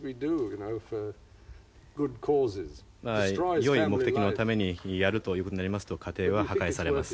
よい目的のためにやるという事になりますと家庭は破壊されます。